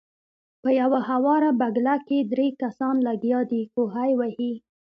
پۀ يوه هواره بګله کښې درې کسان لګيا دي کوهے وهي